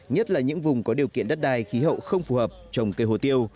nhất là những vùng có điều kiện đất đai khí hậu không phù hợp trồng cây hồ tiêu